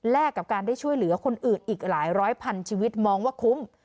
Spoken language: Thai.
กับการได้ช่วยเหลือคนอื่นอีกหลายร้อยพันชีวิตมองว่าคุ้ม